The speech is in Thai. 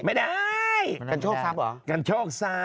ไม่ได้กันโชคทรัพย์เหรอกันโชคทรัพย